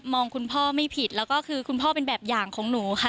คุณพ่อไม่ผิดแล้วก็คือคุณพ่อเป็นแบบอย่างของหนูค่ะ